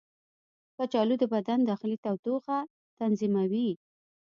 کچالو د بدن داخلي تودوخه تنظیموي.